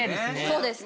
そうです。